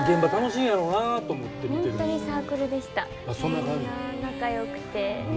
みんな仲良くて。